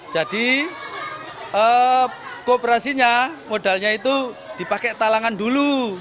jadi kooperasinya modalnya itu dipakai talangan dulu